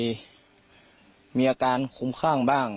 เค้าจะมีอาการขุมข้างบ้าง